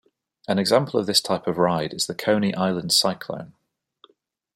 An example of this type of ride is the Coney Island Cyclone.